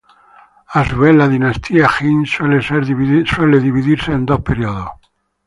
A su vez, la dinastía Jin suele ser dividida en dos periodos.